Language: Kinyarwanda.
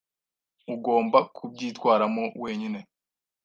Ugomba kubyitwaramo wenyine.